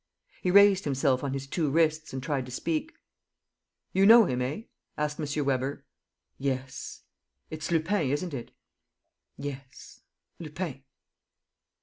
He raised himself on his two wrists and tried to speak. "You know him, eh?" asked M. Weber. "Yes." "It's Lupin, isn't it?" "Yes. ... Lupin.